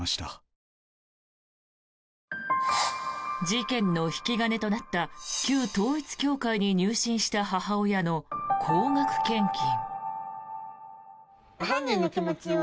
事件の引き金となった旧統一教会に入信した母親の高額献金。